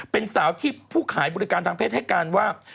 เป็นสาวที่ผู้ขายบริการทางเพศให้การว่า